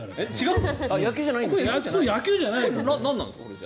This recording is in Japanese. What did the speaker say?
野球じゃないんですか？